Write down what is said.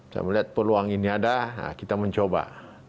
saya melihat peluang ini ada kita mencoba